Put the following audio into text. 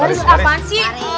baris apaan sih